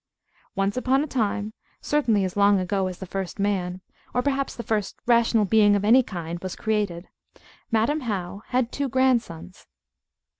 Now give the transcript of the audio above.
Once upon a time, certainly as long ago as the first man, or perhaps the first rational being of any kind, was created, Madam How had two grandsons.